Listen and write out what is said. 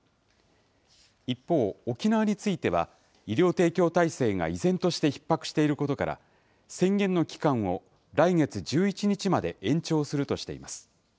一方、沖縄については、医療提供体制が依然としてひっ迫していることから、宣言の期間を来月１１日まで延長するとしています。